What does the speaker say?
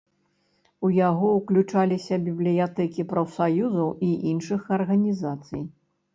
У яго ўключаліся бібліятэкі прафсаюзаў і іншых арганізацый.